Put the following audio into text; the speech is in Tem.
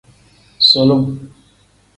Sulum.